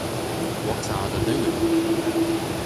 What are the doing?